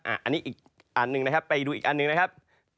อันนี้อีกอันหนึ่งนะครับไปดูอีกอันหนึ่งนะครับ